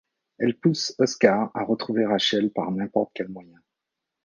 Elle pousse Oskar à retrouver Rachel par n'importe quel moyen.